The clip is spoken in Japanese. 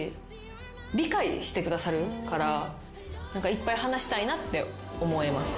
いっぱい話したいなって思えます。